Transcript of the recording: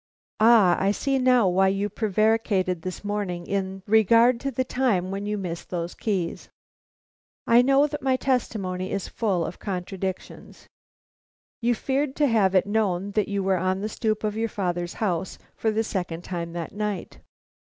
"Ah, I see now why you prevaricated this morning in regard to the time when you missed those keys." "I know that my testimony is full of contradictions." "You feared to have it known that you were on the stoop of your father's house for the second time that night?"